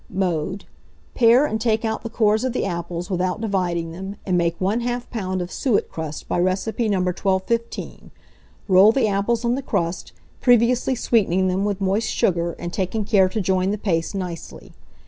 Mode. Pare and take out the cores of the apples without dividing them, and make 1/2 lb. of suet crust by recipe No. 1215; roll the apples in the crust, previously sweetening them with moist sugar, and taking care to join the paste nicely.